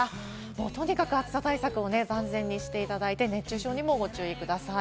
とにかく暑さ対策を万全にしていただいて熱中症にもご注意ください。